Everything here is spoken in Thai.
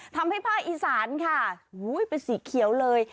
ภาคอีสานค่ะเป็นสีเขียวเลย